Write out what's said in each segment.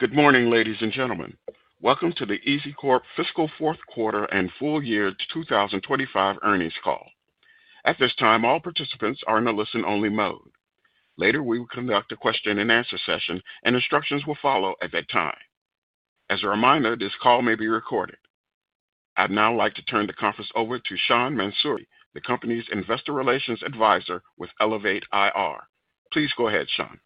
Good morning, ladies and gentlemen. Welcome to the EZCORP Fiscal Fourth Quarter and Full Year 2025 Earnings Call. At this time, all participants are in a listen-only mode. Later, we will conduct a question-and-answer session, and instructions will follow at that time. As a reminder, this call may be recorded. I'd now like to turn the conference over to Sean Mansouri, the company's Investor Relations Advisor with Elevate IR. Please go ahead, Sean.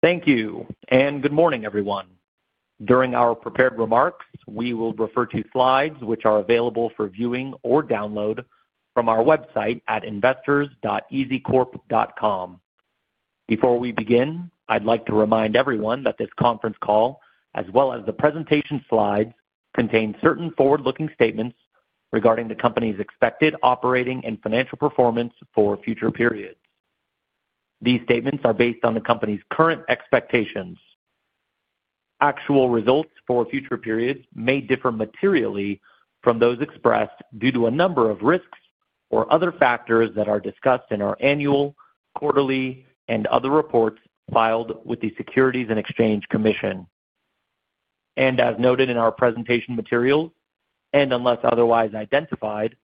Thank you, and good morning, everyone. During our prepared remarks, we will refer to slides which are available for viewing or download from our website at investors.ezcorp.com. Before we begin, I'd like to remind everyone that this conference call, as well as the presentation slides, contain certain forward-looking statements regarding the company's expected operating and financial performance for future periods. These statements are based on the company's current expectations. Actual results for future periods may differ materially from those expressed due to a number of risks or other factors that are discussed in our annual, quarterly, and other reports filed with the Securities and Exchange Commission. As noted in our presentation material, and unless otherwise identified,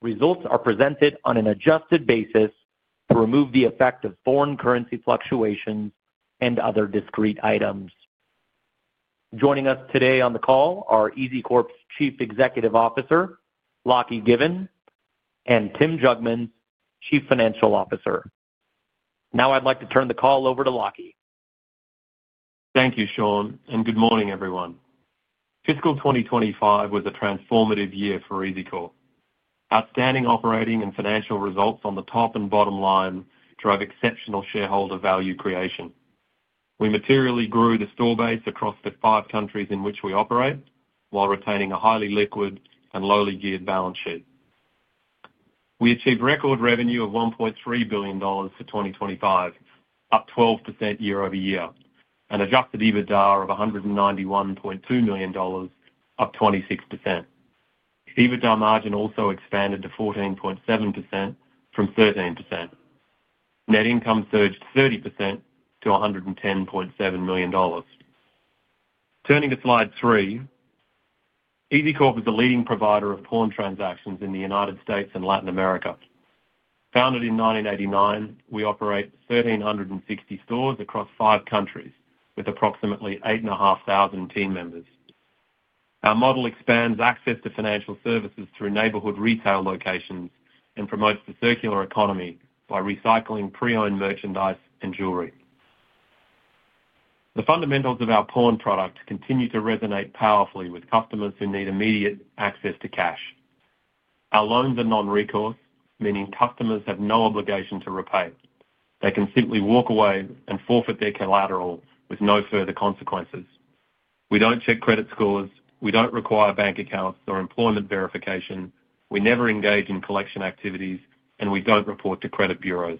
results are presented on an adjusted basis to remove the effect of foreign currency fluctuations and other discrete items. Joining us today on the call are EZCORP's Chief Executive Officer, Lachlan Given, and Tim Jugmans, Chief Financial Officer. Now, I'd like to turn the call over to Lachlan. Thank you, Sean, and good morning, everyone. Fiscal 2025 was a transformative year for EZCORP. Outstanding operating and financial results on the top and bottom line drove exceptional shareholder value creation. We materially grew the store base across the five countries in which we operate while retaining a highly liquid and lowly geared balance sheet. We achieved record revenue of $1.3 billion for 2025, up 12% year over year, and adjusted EBITDA of $191.2 million, up 26%. EBITDA margin also expanded to 14.7% from 13%. Net income surged 30% to $110.7 million. Turning to slide 3, EZCORP is a leading provider of pawn transactions in the United States and Latin America. Founded in 1989, we operate 1,360 stores across five countries with approximately 8,500 team members. Our model expands access to financial services through neighborhood retail locations and promotes the circular economy by recycling pre-owned merchandise and jewelry. The fundamentals of our pawn product continue to resonate powerfully with customers who need immediate access to cash. Our loans are non-recourse, meaning customers have no obligation to repay. They can simply walk away and forfeit their collateral with no further consequences. We do not check credit scores. We do not require bank accounts or employment verification. We never engage in collection activities, and we do not report to credit bureaus.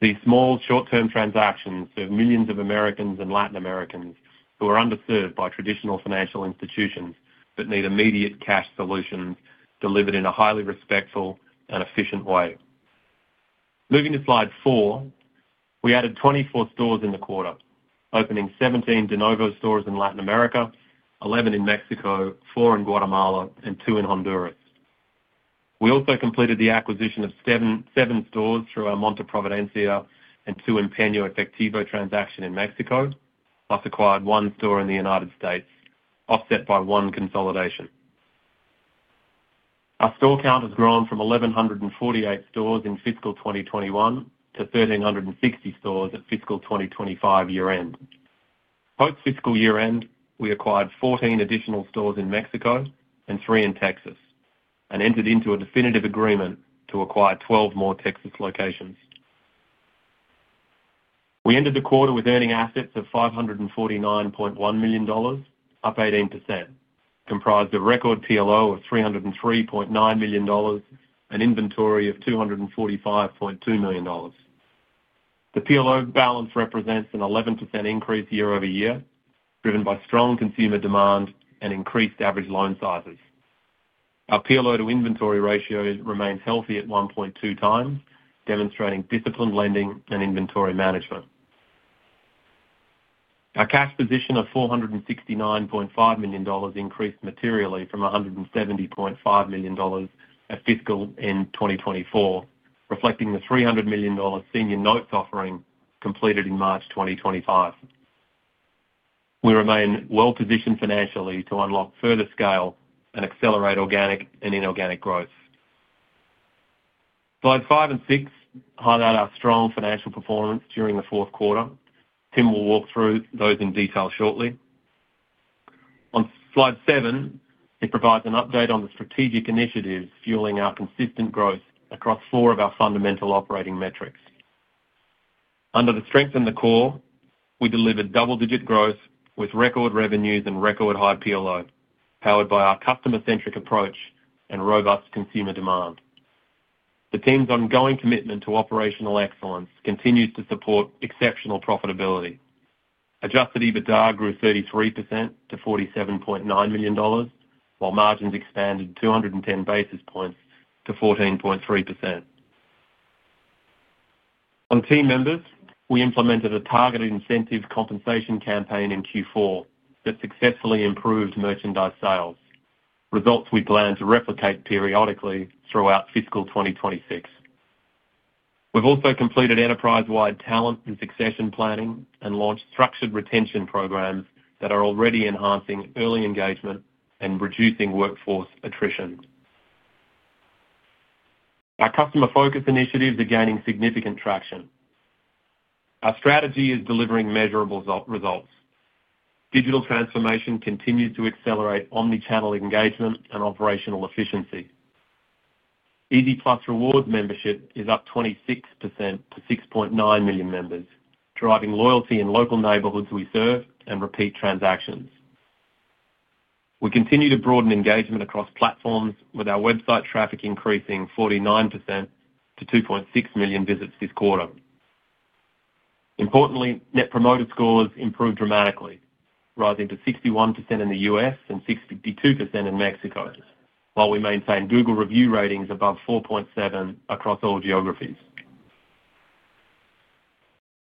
These small short-term transactions serve millions of Americans and Latin Americans who are underserved by traditional financial institutions that need immediate cash solutions delivered in a highly respectful and efficient way. Moving to slide 4, we added 24 stores in the quarter, opening 17 de novo stores in Latin America, 11 in Mexico, 4 in Guatemala, and 2 in Honduras. We also completed the acquisition of seven stores through our Monte Providencia and two Empeño Efectivo transaction in Mexico, plus acquired one store in the United States, offset by one consolidation. Our store count has grown from 1,148 stores in fiscal 2021 to 1,360 stores at fiscal 2025 year-end. Post-fiscal year-end, we acquired 14 additional stores in Mexico and three in Texas and entered into a definitive agreement to acquire 12 more Texas locations. We ended the quarter with earning assets of $549.1 million, up 18%, comprised a record PLO of $303.9 million and inventory of $245.2 million. The PLO balance represents an 11% increase year over year, driven by strong consumer demand and increased average loan sizes. Our PLO to inventory ratio remains healthy at 1.2x, demonstrating disciplined lending and inventory management. Our cash position of $469.5 million increased materially from $170.5 million at fiscal in 2024, reflecting the $300 million senior notes offering completed in March 2025. We remain well-positioned financially to unlock further scale and accelerate organic and inorganic growth. Slides 5 and 6 highlight our strong financial performance during the fourth quarter. Tim will walk through those in detail shortly. On slide 7, it provides an update on the strategic initiatives fueling our consistent growth across four of our fundamental operating metrics. Under the strength in the core, we delivered double-digit growth with record revenues and record-high PLO, powered by our customer-centric approach and robust consumer demand. The team's ongoing commitment to operational excellence continues to support exceptional profitability. Adjusted EBITDA grew 33% to $47.9 million, while margins expanded 210 basis points to 14.3%. On team members, we implemented a targeted incentive compensation campaign in Q4 that successfully improved merchandise sales, results we plan to replicate periodically throughout fiscal 2026. We've also completed enterprise-wide talent and succession planning and launched structured retention programs that are already enhancing early engagement and reducing workforce attrition. Our customer-focused initiatives are gaining significant traction. Our strategy is delivering measurable results. Digital transformation continues to accelerate omnichannel engagement and operational efficiency. EZ+ Rewards membership is up 26% to 6.9 million members, driving loyalty in local neighborhoods we serve and repeat transactions. We continue to broaden engagement across platforms, with our website traffic increasing 49% to 2.6 million visits this quarter. Importantly, net promoter scores improved dramatically, rising to 61% in the U.S. and 62% in Mexico, while we maintain Google review ratings above 4.7 across all geographies.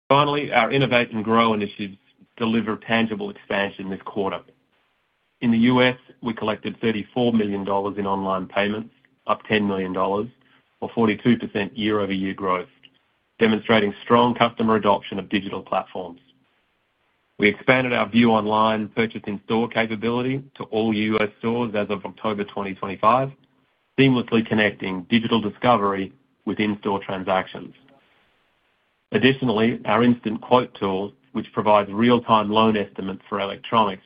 Finally, our innovate and grow initiatives deliver tangible expansion this quarter. In the U.S., we collected $34 million in online payments, up $10 million, or 42% year-over-year growth, demonstrating strong customer adoption of digital platforms. We expanded our view online purchase in-store capability to all U.S. stores as of October 2025, seamlessly connecting digital discovery with in-store transactions. Additionally, our instant quote tool, which provides real-time loan estimates for electronics,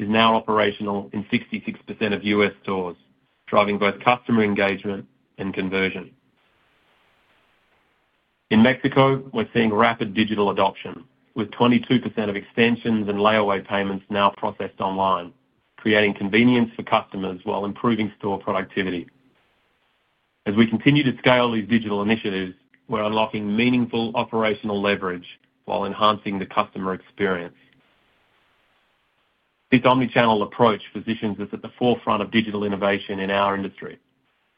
is now operational in 66% of U.S. stores, driving both customer engagement and conversion. In Mexico, we're seeing rapid digital adoption, with 22% of extensions and layaway payments now processed online, creating convenience for customers while improving store productivity. As we continue to scale these digital initiatives, we're unlocking meaningful operational leverage while enhancing the customer experience. This omnichannel approach positions us at the forefront of digital innovation in our industry,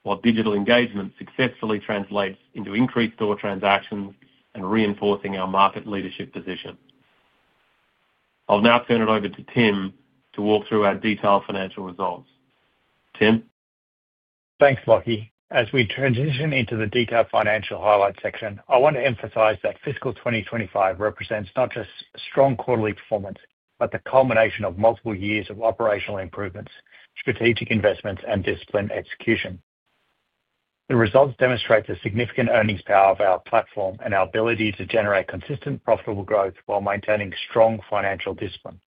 while digital engagement successfully translates into increased store transactions and reinforcing our market leadership position. I'll now turn it over to Tim to walk through our detailed financial results. Tim. Thanks, Lachlan. As we transition into the detailed financial highlight section, I want to emphasize that fiscal 2025 represents not just strong quarterly performance but the culmination of multiple years of operational improvements, strategic investments, and discipline execution. The results demonstrate the significant earnings power of our platform and our ability to generate consistent profitable growth while maintaining strong financial discipline.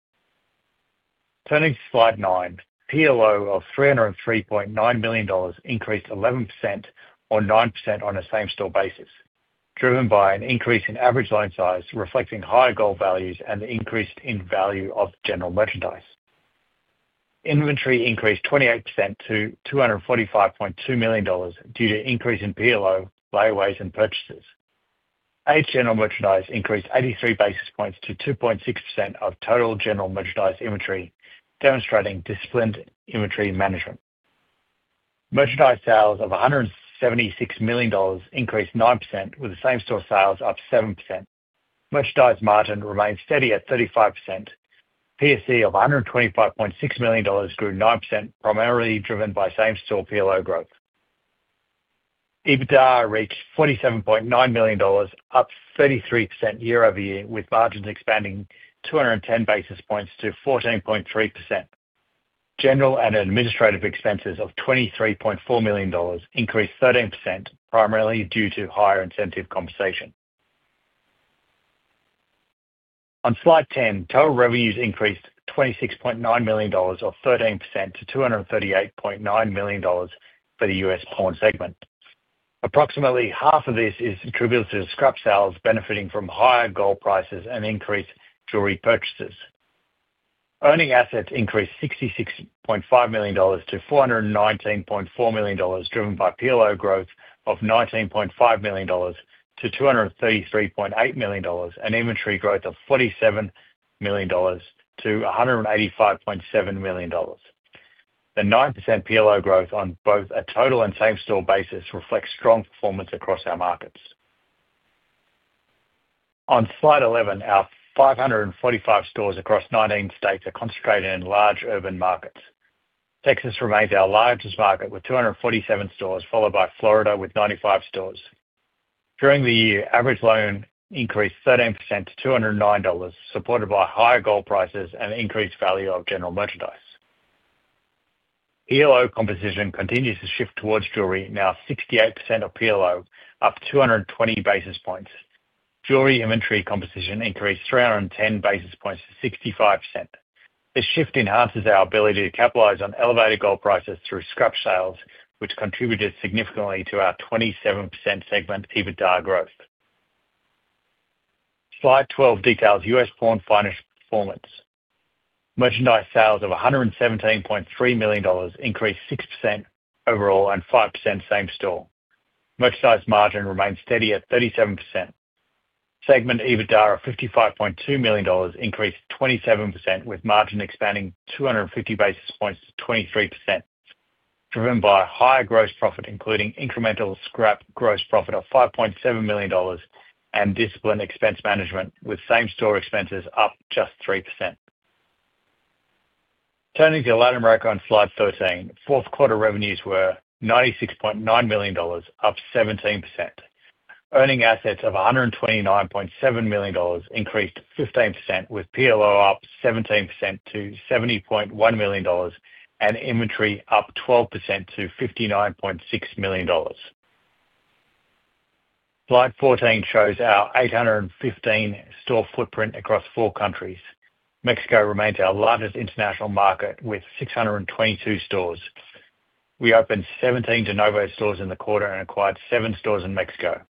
Turning to slide 9, PLO of $303.9 million increased 11% or 9% on a same-store basis, driven by an increase in average loan size reflecting higher gold values and the increase in value of general merchandise. Inventory increased 28% to $245.2 million due to increase in PLO, layaways, and purchases. Aged general merchandise increased 83 basis points to 2.6% of total general merchandise inventory, demonstrating disciplined inventory management. Merchandise sales of $176 million increased 9%, with the same-store sales up 7%. Merchandise margin remained steady at 35%. PSC of $125.6 million grew 9%, primarily driven by same-store PLO growth. EBITDA reached $47.9 million, up 33% year-over-year, with margins expanding 210 basis points to 14.3%. General and administrative expenses of $23.4 million increased 13%, primarily due to higher incentive compensation. On slide 10, total revenues increased $26.9 million or 13% to $238.9 million for the U.S. pawn segment. Approximately half of this is attributed to scrap sales benefiting from higher gold prices and increased jewelry purchases. Earning assets increased $66.5 million to $419.4 million, driven by PLO growth of $19.5 million to $233.8 million and inventory growth of $47 million to $185.7 million. The 9% PLO growth on both a total and same-store basis reflects strong performance across our markets. On slide 11, our 545 stores across 19 states are concentrated in large urban markets. Texas remains our largest market with 247 stores, followed by Florida with 95 stores. During the year, average loan increased 13% to $209, supported by higher gold prices and increased value of general merchandise. PLO composition continues to shift towards jewelry, now 68% of PLO, up 220 basis points. Jewelry inventory composition increased 310 basis points to 65%. This shift enhances our ability to capitalize on elevated gold prices through scrap sales, which contributed significantly to our 27% segment EBITDA growth. Slide 12 details U.S. pawn finance performance. Merchandise sales of $117.3 million increased 6% overall and 5% same-store. Merchandise margin remained steady at 37%. Segment EBITDA of $55.2 million increased 27%, with margin expanding 250 basis points to 23%, driven by higher gross profit, including incremental scrap gross profit of $5.7 million and disciplined expense management, with same-store expenses up just 3%. Turning to the Latin America on slide 13, fourth quarter revenues were $96.9 million, up 17%. Earning assets of $129.7 million increased 15%, with PLO up 17% to $70.1 million and inventory up 12% to $59.6 million. Slide 14 shows our 815-store footprint across four countries. Mexico remains our largest international market with 622 stores. We opened 17 de novo stores in the quarter and acquired 7 stores in Mexico.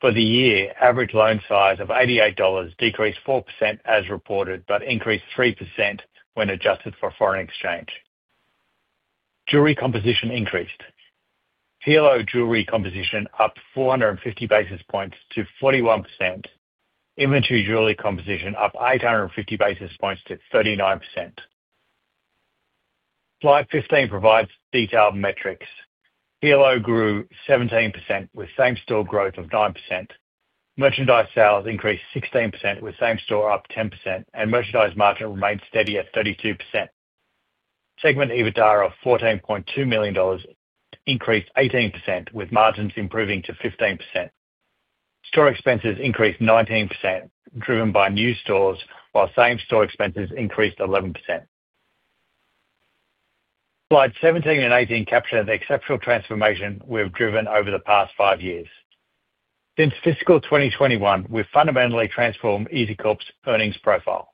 For the year, average loan size of $88 decreased 4% as reported but increased 3% when adjusted for foreign exchange. Jewelry composition increased. PLO jewelry composition up 450 basis points to 41%. Inventory jewelry composition up 850 basis points to 39%. Slide 15 provides detailed metrics. PLO grew 17% with same-store growth of 9%. Merchandise sales increased 16% with same-store up 10%, and merchandise margin remained steady at 32%. Segment EBITDA of $14.2 million increased 18%, with margins improving to 15%. Store expenses increased 19%, driven by new stores, while same-store expenses increased 11%. Slides 17 and 18 capture the exceptional transformation we've driven over the past five years. Since fiscal 2021, we've fundamentally transformed EZCORP's earnings profile.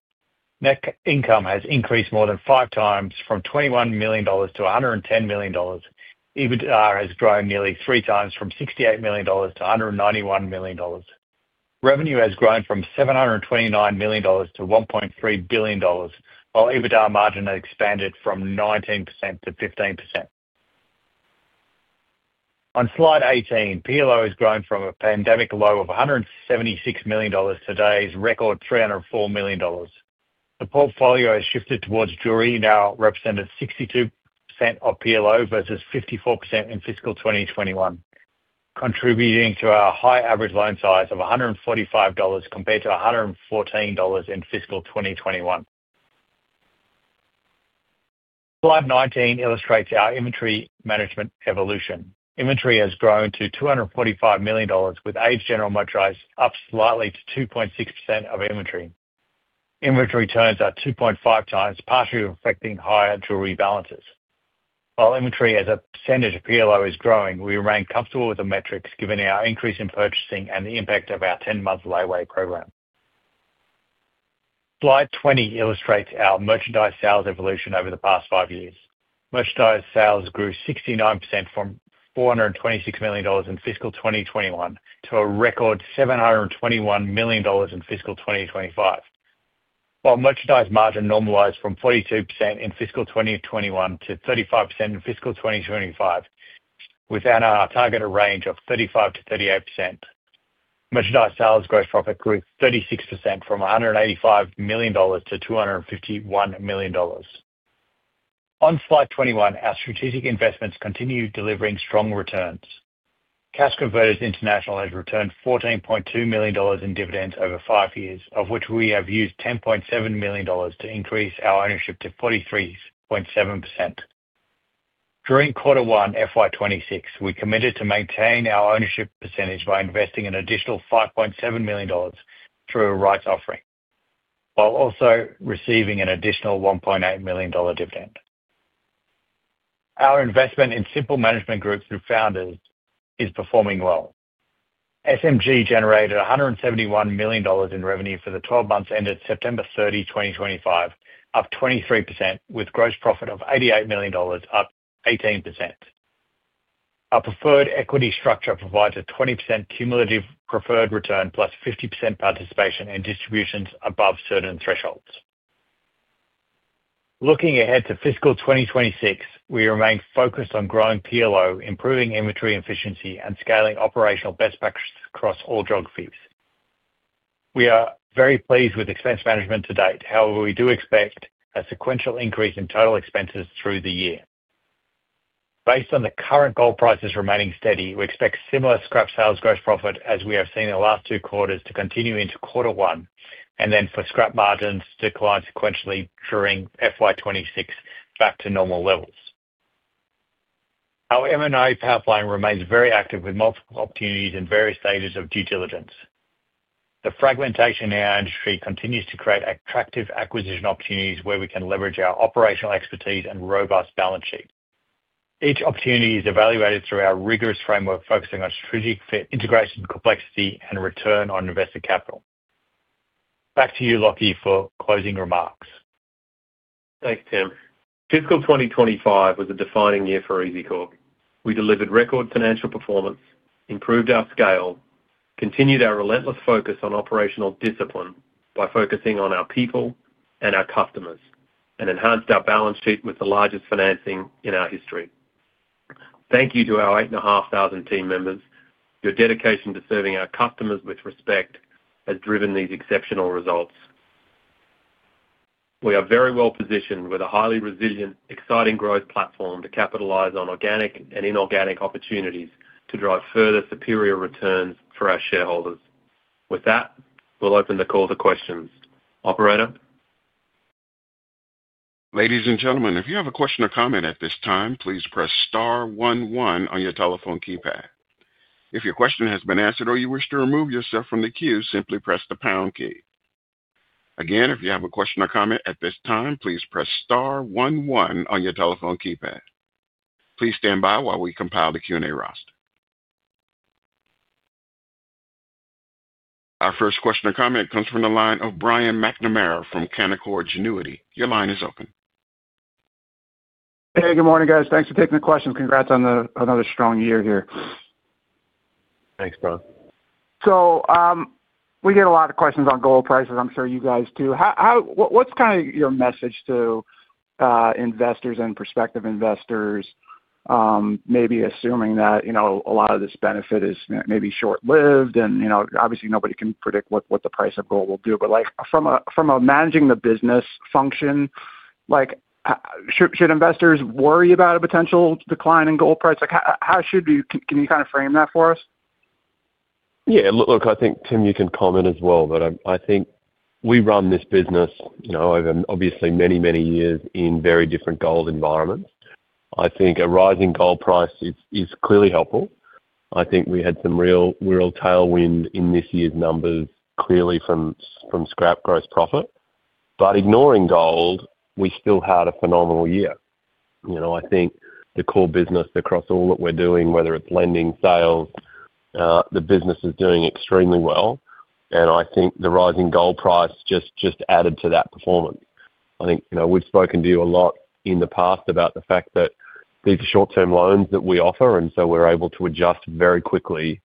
Net income has increased more than 5x from $21 million to $110 million. EBITDA has grown nearly 3x from $68 million to $191 million. Revenue has grown from $729 million to $1.3 billion, while EBITDA margin has expanded from 19% to 15%. On slide 18, PLO has grown from a pandemic low of $176 million to today's record $304 million. The portfolio has shifted towards jewelry, now representing 62% of PLO versus 54% in fiscal 2021, contributing to our high average loan size of $145 compared to $114 in fiscal 2021. Slide 19 illustrates our inventory management evolution. Inventory has grown to $245 million, with aged general merchandise up slightly to 2.6% of inventory. Inventory turns are 2.5x, partially reflecting higher jewelry balances. While inventory as a percentage of PLO is growing, we remain comfortable with the metrics given our increase in purchasing and the impact of our 10-month layaway program. Slide 20 illustrates our merchandise sales evolution over the past five years. Merchandise sales grew 69% from $426 million in fiscal 2021 to a record $721 million in fiscal 2025, while merchandise margin normalized from 42% in fiscal 2021 to 35% in fiscal 2025, within our target range of 35%-38%. Merchandise sales gross profit grew 36% from $185 million to $251 million. On slide 21, our strategic investments continue delivering strong returns. Cash Converters International has returned $14.2 million in dividends over five years, of which we have used $10.7 million to increase our ownership to 43.7%. During quarter one fiscal year 2026, we committed to maintain our ownership percentage by investing an additional $5.7 million through a rights offering, while also receiving an additional $1.8 million dividend. Our investment in Simple Management Groups through founders is performing well. SMG generated $171 million in revenue for the 12 months ended September 30, 2025, up 23%, with gross profit of $88 million up 18%. Our preferred equity structure provides a 20% cumulative preferred return plus 50% participation in distributions above certain thresholds. Looking ahead to fiscal year 2026, we remain focused on growing PLO, improving inventory efficiency, and scaling operational best practices across all geographies. We are very pleased with expense management to date. However, we do expect a sequential increase in total expenses through the year. Based on the current gold prices remaining steady, we expect similar scrap sales gross profit as we have seen in the last two quarters to continue into quarter one and then for scrap margins to decline sequentially during fiscal year 2026 back to normal levels. Our M&A pipeline remains very active with multiple opportunities in various stages of due diligence. The fragmentation in our industry continues to create attractive acquisition opportunities where we can leverage our operational expertise and robust balance sheet. Each opportunity is evaluated through our rigorous framework focusing on strategic integration, complexity, and return on invested capital. Back to you, Lachlan, for closing remarks. Thanks, Tim. fiscal year 2025 was a defining year for EZCORP. We delivered record financial performance, improved our scale, continued our relentless focus on operational discipline by focusing on our people and our customers, and enhanced our balance sheet with the largest financing in our history. Thank you to our 8,500 team members. Your dedication to serving our customers with respect has driven these exceptional results. We are very well positioned with a highly resilient, exciting growth platform to capitalize on organic and inorganic opportunities to drive further superior returns for our shareholders. With that, we'll open the call to questions. Operator. Ladies and gentlemen, if you have a question or comment at this time, please press star 11 on your telephone keypad. If your question has been answered or you wish to remove yourself from the queue, simply press the pound key. Again, if you have a question or comment at this time, please press star 11 on your telephone keypad. Please stand by while we compile the Q&A roster. Our first question or comment comes from the line of Brian McNamara from Canaccord Genuity. Your line is open. Hey, good morning, guys. Thanks for taking the question. Congrats on another strong year here. Thanks, Brian. We get a lot of questions on gold prices. I'm sure you guys do. What's kind of your message to investors and prospective investors, maybe assuming that a lot of this benefit is maybe short-lived? Obviously, nobody can predict what the price of gold will do. From a managing-the-business function, should investors worry about a potential decline in gold price? Can you kind of frame that for us? Yeah. Look, I think, Tim, you can comment as well. I think we run this business over, obviously, many, many years in very different gold environments. I think a rising gold price is clearly helpful. I think we had some real tailwind in this year's numbers, clearly from scrap gross profit. Ignoring gold, we still had a phenomenal year. I think the core business across all that we're doing, whether it's lending, sales, the business is doing extremely well. I think the rising gold price just added to that performance. I think we've spoken to you a lot in the past about the fact that these are short-term loans that we offer, and so we're able to adjust very quickly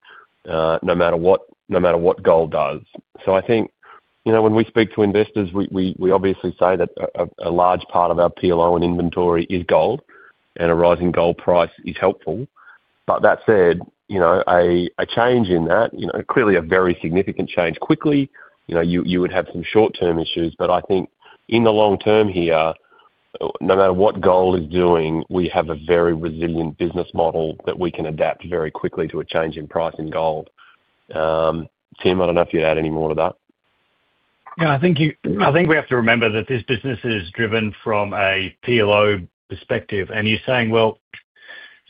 no matter what gold does. I think when we speak to investors, we obviously say that a large part of our PLO and inventory is gold, and a rising gold price is helpful. That said, a change in that, clearly a very significant change, quickly, you would have some short-term issues. I think in the long term here, no matter what gold is doing, we have a very resilient business model that we can adapt very quickly to a change in price in gold. Tim, I do not know if you add any more to that. Yeah. I think we have to remember that this business is driven from a PLO perspective. You're saying, well,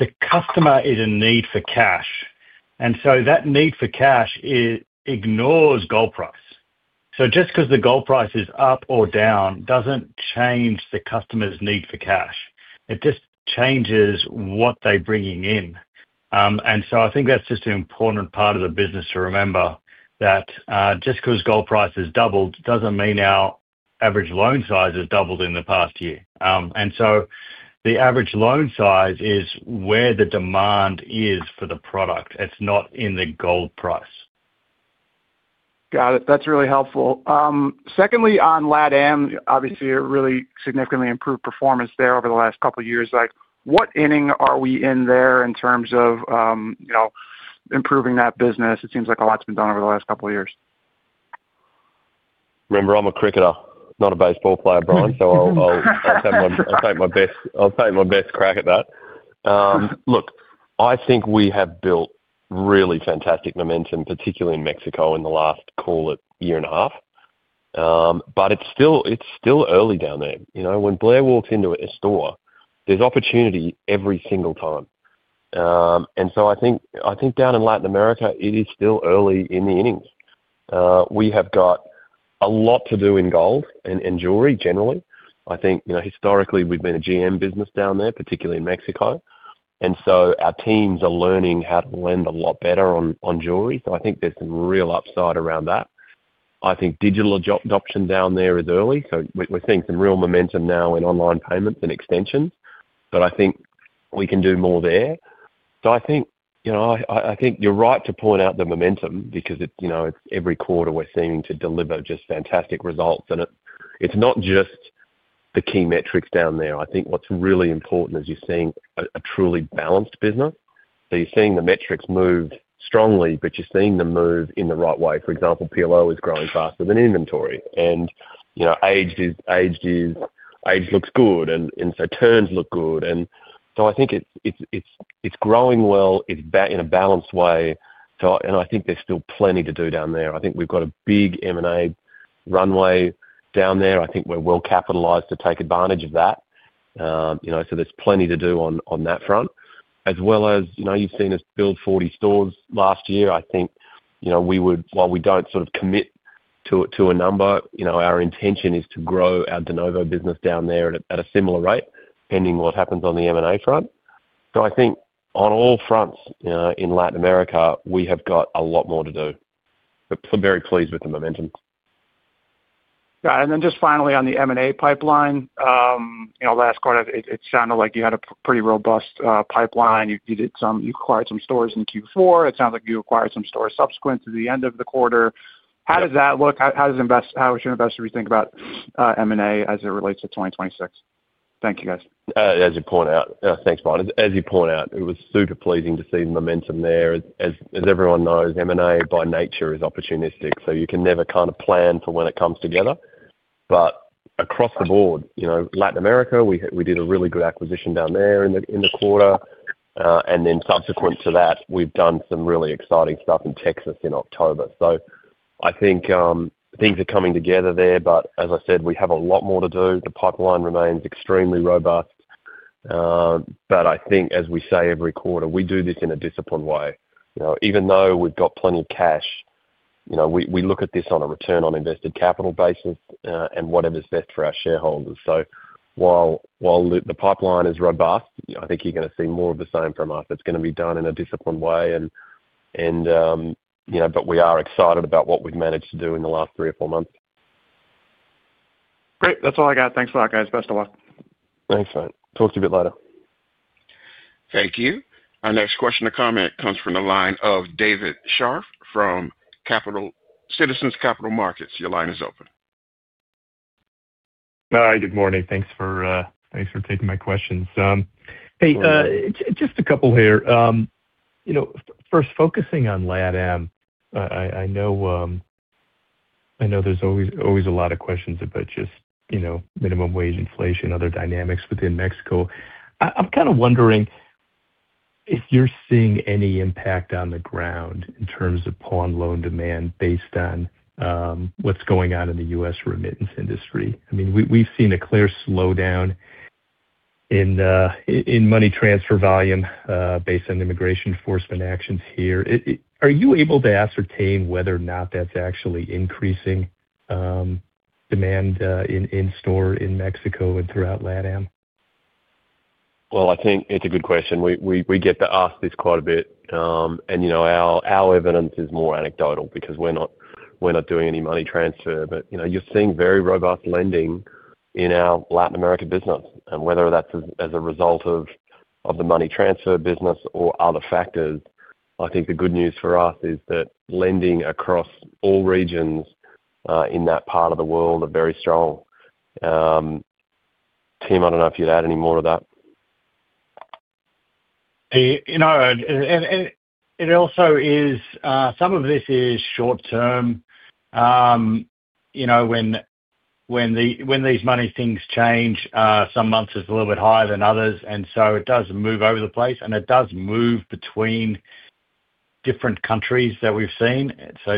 the customer is in need for cash. That need for cash ignores gold price. Just because the gold price is up or down doesn't change the customer's need for cash. It just changes what they're bringing in. I think that's just an important part of the business to remember, that just because gold price has doubled doesn't mean our average loan size has doubled in the past year. The average loan size is where the demand is for the product. It's not in the gold price. Got it. That's really helpful. Secondly, on Lachlan, obviously, a really significantly improved performance there over the last couple of years. What inning are we in there in terms of improving that business? It seems like a lot's been done over the last couple of years. Remember, I'm a cricketer, not a baseball player, Brian, so I'll take my best crack at that. Look, I think we have built really fantastic momentum, particularly in Mexico in the last, call it, year and a half. It is still early down there. When Blair walks into a store, there's opportunity every single time. I think down in Latin America, it is still early in the innings. We have got a lot to do in gold and jewelry, generally. I think historically, we've been a GM business down there, particularly in Mexico. Our teams are learning how to lend a lot better on jewelry. I think there's some real upside around that. I think digital adoption down there is early. We're seeing some real momentum now in online payments and extensions. I think we can do more there. I think you're right to point out the momentum because it's every quarter we're seeing to deliver just fantastic results. It's not just the key metrics down there. I think what's really important is you're seeing a truly balanced business. You're seeing the metrics move strongly, but you're seeing them move in the right way. For example, PLO is growing faster than inventory. Age looks good, and so turns look good. I think it's growing well in a balanced way. I think there's still plenty to do down there. I think we've got a big M&A runway down there. I think we're well capitalized to take advantage of that. There's plenty to do on that front. As well as you've seen us build 40 stores last year, I think while we don't sort of commit to a number, our intention is to grow our de novo business down there at a similar rate, pending what happens on the M&A front. I think on all fronts in Latin America, we have got a lot more to do. We are very pleased with the momentum. Got it. And then just finally, on the M&A pipeline, last quarter, it sounded like you had a pretty robust pipeline. You acquired some stores in Q4. It sounds like you acquired some stores subsequent to the end of the quarter. How does that look? How should investors be thinking about M&A as it relates to 2026? Thank you, guys. As you point out, thanks, Brian. As you point out, it was super pleasing to see the momentum there. As everyone knows, M&A by nature is opportunistic, so you can never kind of plan for when it comes together. Across the board, Latin America, we did a really good acquisition down there in the quarter. Then subsequent to that, we've done some really exciting stuff in Texas in October. I think things are coming together there. As I said, we have a lot more to do. The pipeline remains extremely robust. I think, as we say every quarter, we do this in a disciplined way. Even though we've got plenty of cash, we look at this on a return on invested capital basis and whatever's best for our shareholders. While the pipeline is robust, I think you're going to see more of the same from us. It's going to be done in a disciplined way. We are excited about what we've managed to do in the last three or four months. Great. That's all I got. Thanks a lot, guys. Best of luck. Thanks, mate. Talk to you a bit later. Thank you. Our next question or comment comes from the line of David Scharf from Citizens Capital Markets. Your line is open. Hi, good morning. Thanks for taking my questions. Hey, just a couple here. First, focusing on Lachlan, I know there's always a lot of questions about just minimum wage inflation, other dynamics within Mexico. I'm kind of wondering if you're seeing any impact on the ground in terms of pawn loan demand based on what's going on in the U.S. remittance industry. I mean, we've seen a clear slowdown in money transfer volume based on immigration enforcement actions here. Are you able to ascertain whether or not that's actually increasing demand in store in Mexico and throughout, Lachlan? I think it's a good question. We get to ask this quite a bit. Our evidence is more anecdotal because we're not doing any money transfer. You're seeing very robust lending in our Latin American business. Whether that's as a result of the money transfer business or other factors, I think the good news for us is that lending across all regions in that part of the world are very strong. Tim, I don't know if you'd add any more to that. It also is some of this is short-term. When these money things change, some months it's a little bit higher than others. It does move over the place. It does move between different countries that we've seen.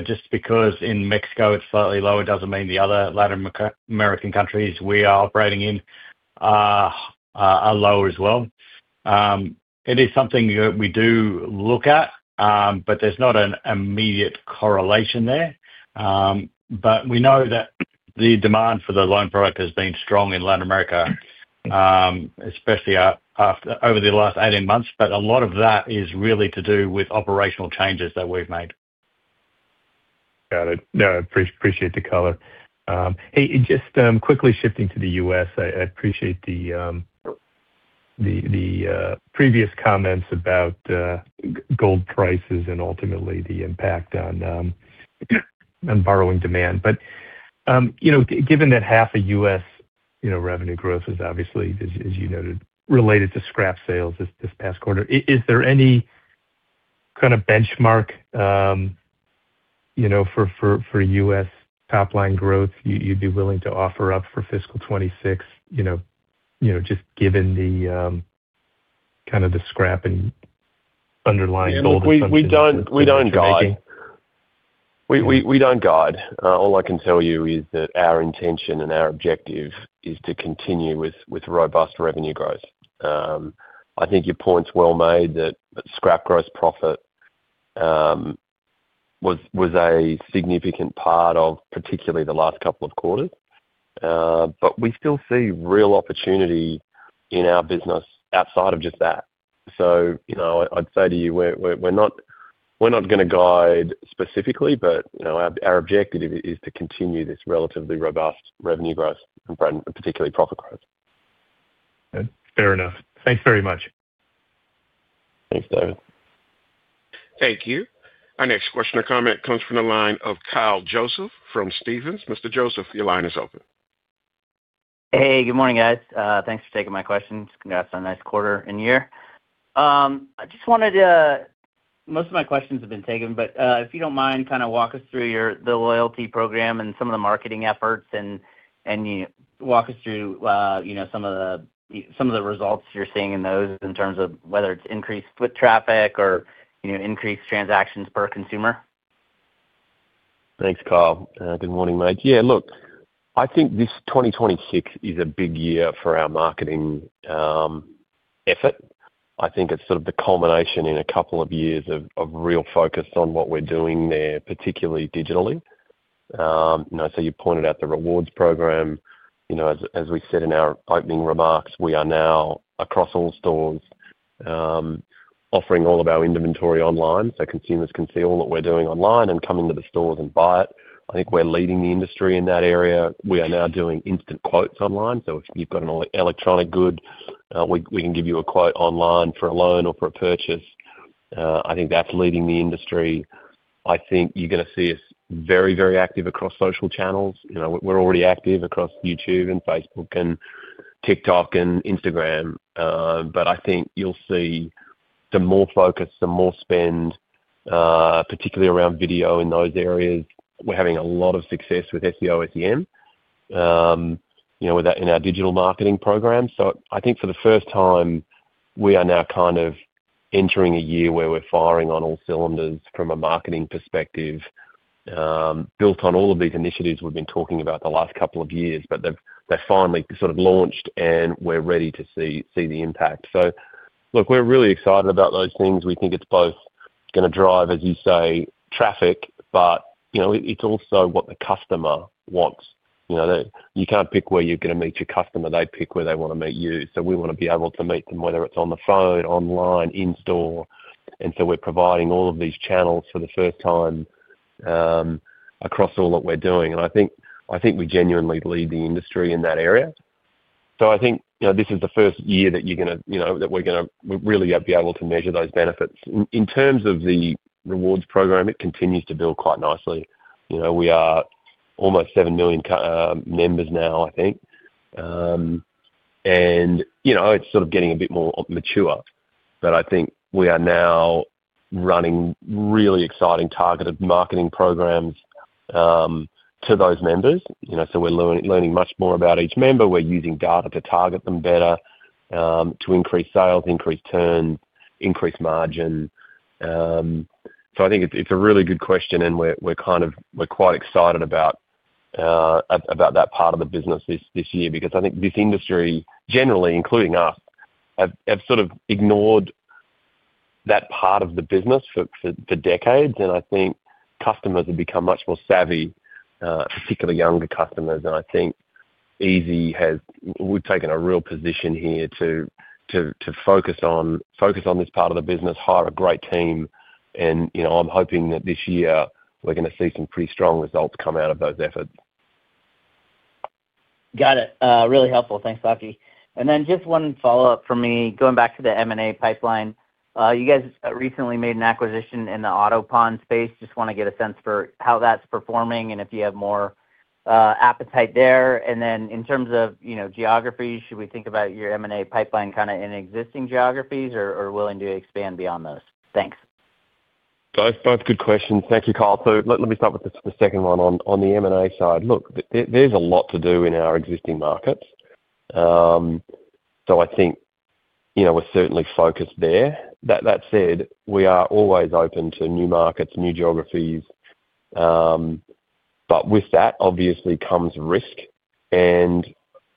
Just because in Mexico it's slightly lower doesn't mean the other Latin American countries we are operating in are lower as well. It is something that we do look at, but there's not an immediate correlation there. We know that the demand for the loan product has been strong in Latin America, especially over the last 18 months. A lot of that is really to do with operational changes that we've made. Got it. No, I appreciate the color. Just quickly shifting to the U.S., I appreciate the previous comments about gold prices and ultimately the impact on borrowing demand. Given that half of U.S. revenue growth is obviously, as you noted, related to scrap sales this past quarter, is there any kind of benchmark for U.S. top-line growth you'd be willing to offer up for fiscal 2026, just given the kind of the scrap and underlying gold inflation? We do not guide. We do not guide. All I can tell you is that our intention and our objective is to continue with robust revenue growth. I think your point's well made that scrap gross profit was a significant part of particularly the last couple of quarters. We still see real opportunity in our business outside of just that. I'd say to you, we're not going to guide specifically, but our objective is to continue this relatively robust revenue growth and particularly profit growth. Fair enough. Thanks very much. Thanks, David. Thank you. Our next question or comment comes from the line of Kyle Joseph from Stephens. Mr. Joseph, your line is open. Hey, good morning, guys. Thanks for taking my questions. Congrats on a nice quarter and year. I just wanted to most of my questions have been taken. If you don't mind, kind of walk us through the loyalty program and some of the marketing efforts and walk us through some of the results you're seeing in those in terms of whether it's increased foot traffic or increased transactions per consumer. Thanks, Kyle. Good morning, mate. Yeah, look, I think this 2026 is a big year for our marketing effort. I think it's sort of the culmination in a couple of years of real focus on what we're doing there, particularly digitally. You pointed out the rewards program. As we said in our opening remarks, we are now, across all stores, offering all of our inventory online so consumers can see all that we're doing online and come into the stores and buy it. I think we're leading the industry in that area. We are now doing instant quotes online. If you've got an electronic good, we can give you a quote online for a loan or for a purchase. I think that's leading the industry. I think you're going to see us very, very active across social channels. We're already active across YouTube and Facebook and TikTok and Instagram. I think you'll see some more focus, some more spend, particularly around video in those areas. We're having a lot of success with SEO SEM in our digital marketing program. I think for the first time, we are now kind of entering a year where we're firing on all cylinders from a marketing perspective, built on all of these initiatives we've been talking about the last couple of years. They've finally sort of launched, and we're ready to see the impact. Look, we're really excited about those things. We think it's both going to drive, as you say, traffic, but it's also what the customer wants. You can't pick where you're going to meet your customer. They pick where they want to meet you. We want to be able to meet them whether it's on the phone, online, in store. We're providing all of these channels for the first time across all that we're doing. I think we genuinely lead the industry in that area. I think this is the first year that you're going to, that we're going to really be able to measure those benefits. In terms of the rewards program, it continues to build quite nicely. We are almost 7 million members now, I think. It's sort of getting a bit more mature. I think we are now running really exciting targeted marketing programs to those members. We're learning much more about each member. We're using data to target them better to increase sales, increase turns, increase margin. I think it's a really good question. We're quite excited about that part of the business this year because I think this industry, generally, including us, have sort of ignored that part of the business for decades. I think customers have become much more savvy, particularly younger customers. I think EZ has taken a real position here to focus on this part of the business, hire a great team. I'm hoping that this year we're going to see some pretty strong results come out of those efforts. Got it. Really helpful. Thanks, Lachlan. Just one follow-up from me. Going back to the M&A pipeline, you guys recently made an acquisition in the auto pawn space. Just want to get a sense for how that's performing and if you have more appetite there. In terms of geography, should we think about your M&A pipeline kind of in existing geographies or willing to expand beyond those? Thanks. Both good questions. Thank you, Kyle. Let me start with the second one on the M&A side. Look, there's a lot to do in our existing markets. I think we're certainly focused there. That said, we are always open to new markets, new geographies. With that, obviously, comes risk.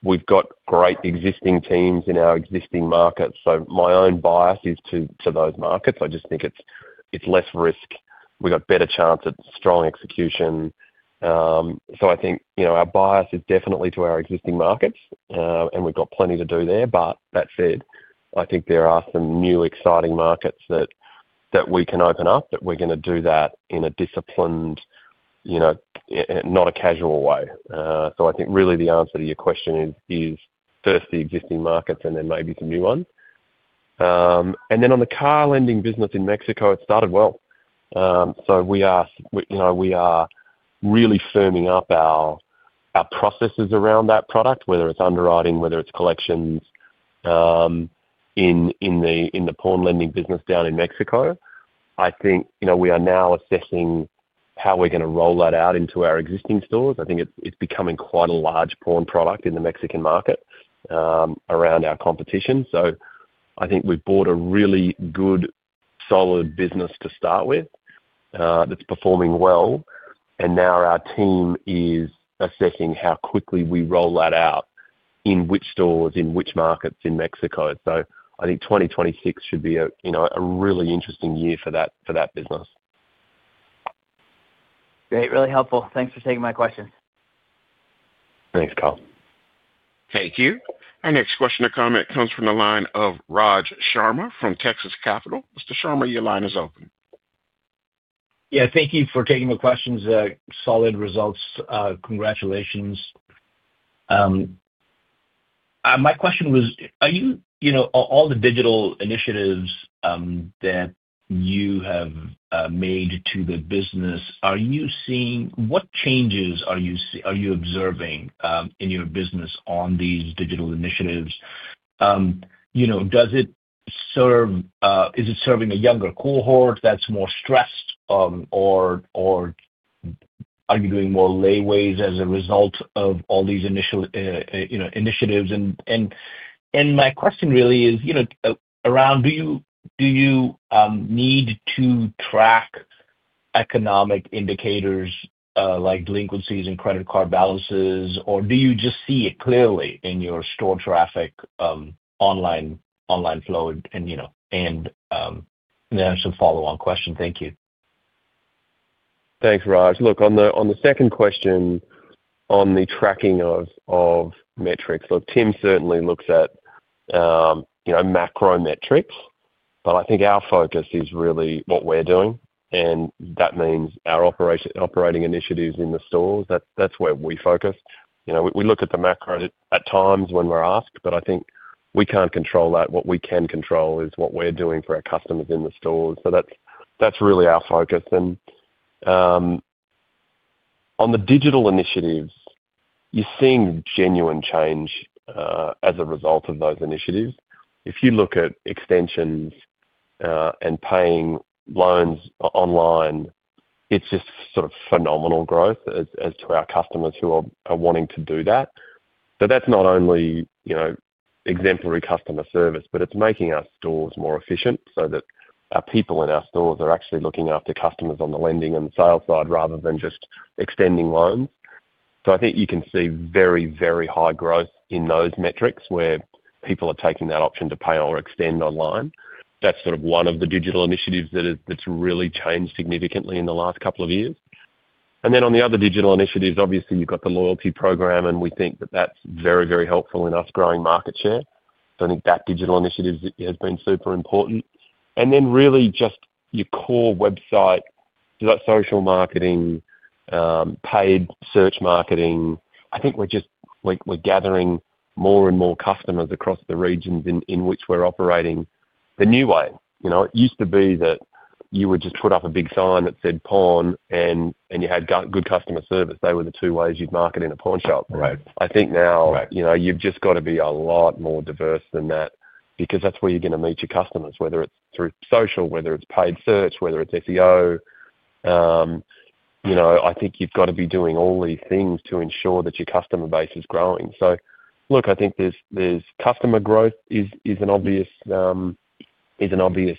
We've got great existing teams in our existing markets. My own bias is to those markets. I just think it's less risk. We've got better chance at strong execution. I think our bias is definitely to our existing markets. We've got plenty to do there. That said, I think there are some new exciting markets that we can open up that we're going to do that in a disciplined, not a casual way. I think really the answer to your question is first the existing markets and then maybe some new ones. On the car lending business in Mexico, it started well. We are really firming up our processes around that product, whether it is underwriting, whether it is collections in the pawn lending business down in Mexico. I think we are now assessing how we are going to roll that out into our existing stores. I think it is becoming quite a large pawn product in the Mexican market around our competition. I think we have bought a really good, solid business to start with that is performing well. Our team is assessing how quickly we roll that out in which stores, in which markets in Mexico. I think 2026 should be a really interesting year for that business. Great. Really helpful. Thanks for taking my questions. Thanks, Kyle. Thank you. Our next question or comment comes from the line of Raj Sharma from Texas Capital. Mr. Sharma, your line is open. Yeah, thank you for taking the questions. Solid results. Congratulations. My question was, are you all the digital initiatives that you have made to the business, are you seeing what changes are you observing in your business on these digital initiatives? Does it serve, is it serving a younger cohort that's more stressed, or are you doing more leeways as a result of all these initiatives? My question really is around, do you need to track economic indicators like delinquencies and credit card balances, or do you just see it clearly in your store traffic online flow? There is a follow-on question. Thank you. Thanks, Raj. Look, on the second question on the tracking of metrics, look, Tim certainly looks at macro metrics. I think our focus is really what we're doing. That means our operating initiatives in the stores. That's where we focus. We look at the macro at times when we're asked, but I think we can't control that. What we can control is what we're doing for our customers in the stores. That's really our focus. On the digital initiatives, you're seeing genuine change as a result of those initiatives. If you look at extensions and paying loans online, it's just sort of phenomenal growth as to our customers who are wanting to do that. That is not only exemplary customer service, but it is making our stores more efficient so that our people in our stores are actually looking after customers on the lending and sales side rather than just extending loans. I think you can see very, very high growth in those metrics where people are taking that option to pay or extend online. That is sort of one of the digital initiatives that has really changed significantly in the last couple of years. On the other digital initiatives, obviously, you have got the loyalty program, and we think that is very, very helpful in us growing market share. I think that digital initiative has been super important. Really just your core website, so that is social marketing, paid search marketing. I think we are gathering more and more customers across the regions in which we are operating the new way. It used to be that you would just put up a big sign that said pawn, and you had good customer service. They were the two ways you'd market in a pawn shop. I think now you've just got to be a lot more diverse than that because that's where you're going to meet your customers, whether it's through social, whether it's paid search, whether it's SEO. I think you've got to be doing all these things to ensure that your customer base is growing. Look, I think customer growth is an obvious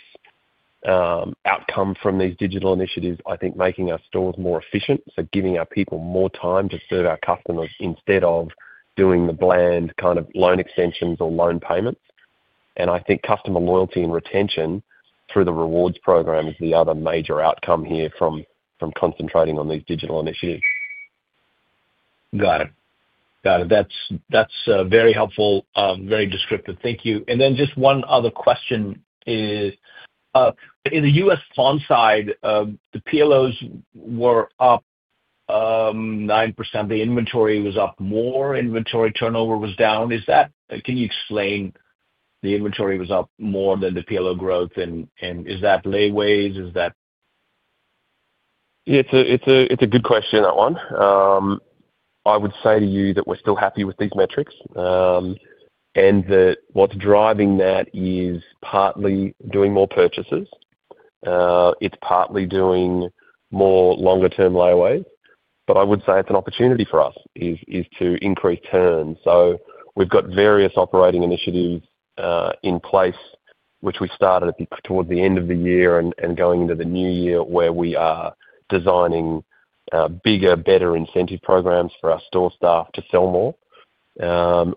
outcome from these digital initiatives, I think, making our stores more efficient. Giving our people more time to serve our customers instead of doing the bland kind of loan extensions or loan payments. I think customer loyalty and retention through the rewards program is the other major outcome here from concentrating on these digital initiatives. Got it. That's very helpful, very descriptive. Thank you. Just one other question is, in the U.S. pawn side, the PLOs were up 9%. The inventory was up more. Inventory turnover was down. Can you explain the inventory was up more than the PLO growth? Is that leeways? Is that? It's a good question, that one. I would say to you that we're still happy with these metrics and that what's driving that is partly doing more purchases. It's partly doing more longer-term layaways. I would say it's an opportunity for us is to increase turns. We have got various operating initiatives in place, which we started towards the end of the year and going into the new year where we are designing bigger, better incentive programs for our store staff to sell more.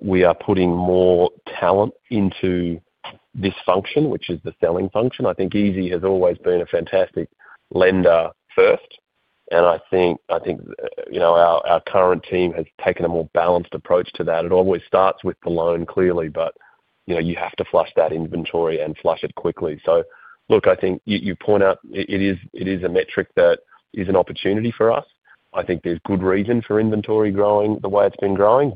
We are putting more talent into this function, which is the selling function. I think EZ has always been a fantastic lender first. I think our current team has taken a more balanced approach to that. It always starts with the loan, clearly, but you have to flush that inventory and flush it quickly. I think you point out it is a metric that is an opportunity for us. I think there's good reason for inventory growing the way it's been growing.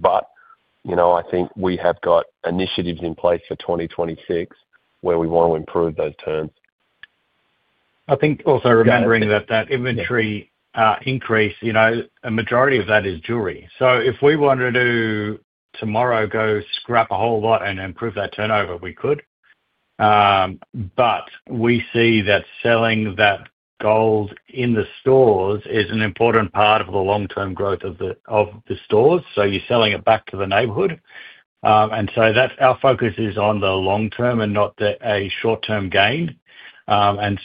I think we have got initiatives in place for 2026 where we want to improve those turns. I think also remembering that inventory increase, a majority of that is jewelry. If we wanted to tomorrow go scrap a whole lot and improve that turnover, we could. We see that selling that gold in the stores is an important part of the long-term growth of the stores. You are selling it back to the neighborhood. Our focus is on the long term and not a short-term gain. You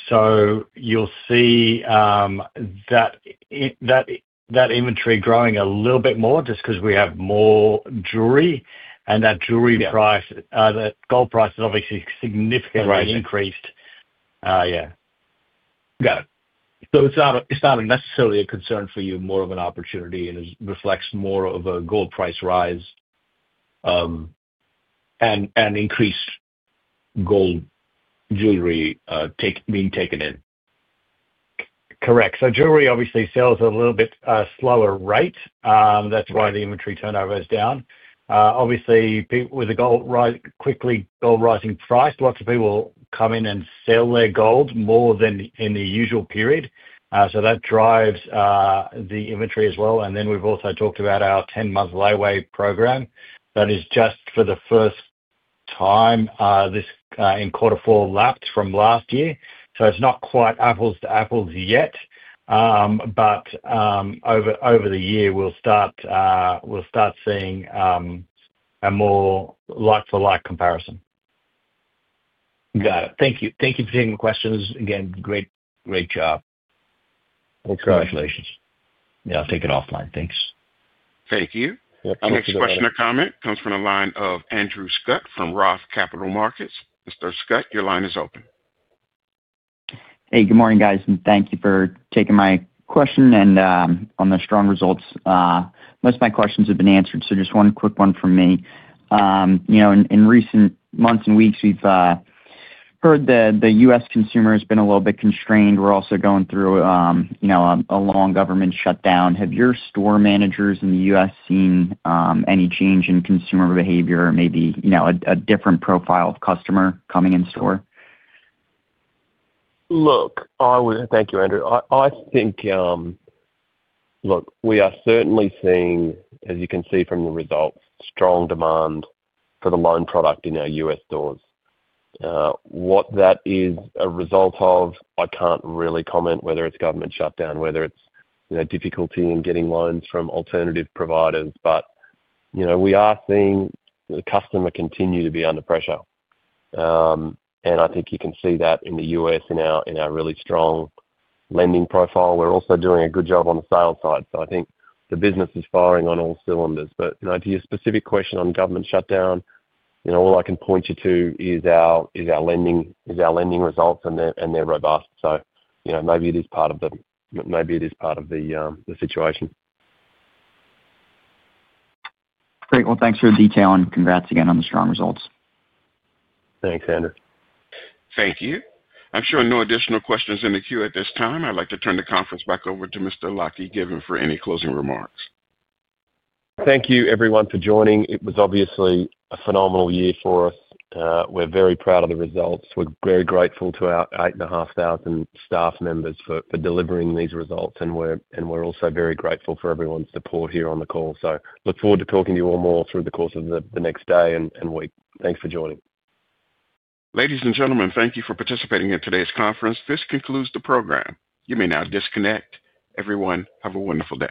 will see that inventory growing a little bit more just because we have more jewelry. That jewelry price, that gold price has obviously significantly increased. Yeah. Got it. It is not necessarily a concern for you, more of an opportunity and reflects more of a gold price rise and increased gold jewelry being taken in. Correct. Jewelry obviously sells a little bit slower, right? That is why the inventory turnover is down. Obviously, with the quickly gold rising price, lots of people come in and sell their gold more than in the usual period. That drives the inventory as well. We have also talked about our 10-month leeway program that is just for the first time in quarter four lapsed from last year. It is not quite apples to apples yet. Over the year, we will start seeing a more like-for-like comparison. Got it. Thank you. Thank you for taking the questions. Again, great job. Thanks, Raj. Yeah, I'll take it offline. Thanks. Thank you. Yep. Next question or comment comes from the line of Andrew Scutt from Roth Capital Markets. Mr. Scutt, your line is open. Hey, good morning, guys. Thank you for taking my question. On the strong results, most of my questions have been answered. Just one quick one from me. In recent months and weeks, we've heard that the U.S. consumer has been a little bit constrained. We're also going through a long government shutdown. Have your store managers in the U.S. seen any change in consumer behavior or maybe a different profile of customer coming in store? Look, thank you, Andrew. I think, look, we are certainly seeing, as you can see from the results, strong demand for the loan product in our U.S. stores. What that is a result of, I can't really comment whether it's government shutdown, whether it's difficulty in getting loans from alternative providers. We are seeing the customer continue to be under pressure. I think you can see that in the U.S. in our really strong lending profile. We are also doing a good job on the sales side. I think the business is firing on all cylinders. To your specific question on government shutdown, all I can point you to is our lending results, and they're robust. Maybe it is part of the maybe it is part of the situation. Great. Thanks for your detail and congrats again on the strong results. Thanks, Andrew. Thank you. I'm sure no additional questions in the queue at this time. I'd like to turn the conference back over to Mr. Lachlan Given for any closing remarks. Thank you, everyone, for joining. It was obviously a phenomenal year for us. We're very proud of the results. We're very grateful to our 8,500 staff members for delivering these results. We're also very grateful for everyone's support here on the call. I look forward to talking to you all more through the course of the next day and week. Thanks for joining. Ladies and gentlemen, thank you for participating in today's conference. This concludes the program. You may now disconnect. Everyone, have a wonderful day.